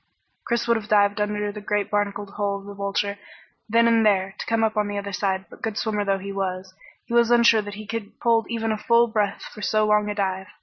Chris would have dived under the great barnacled hull of the Vulture then and there, to come up on the other side, but good swimmer though he was, he was unsure that he could hold even a full breath for so long a dive.